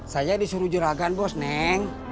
saya disuruh jerakan bos neng